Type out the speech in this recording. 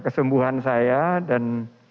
kesembuhan saya dan